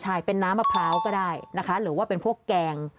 ใช่เป็นน้ำมะพร้าวก็ได้นะคะหรือว่าเป็นพวกแกง